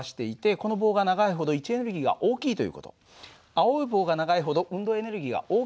青い棒が長いほど運動エネルギーが大きいという事なんだ。